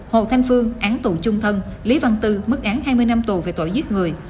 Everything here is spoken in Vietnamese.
hồ thanh phương án tù chung thân lý văn tư mức án hai mươi năm tù về tội giết người